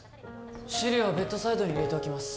資料はベッドサイドに入れておきます